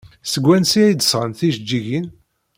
Seg wansi ay d-sɣan tijeǧǧigin?